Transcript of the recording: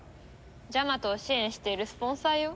ジャマトを支援しているスポンサーよ。